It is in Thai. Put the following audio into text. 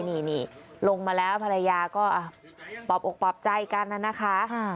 นี่ลงมาแล้วภรรยาก็ปอบอกปลอบใจกันนะคะ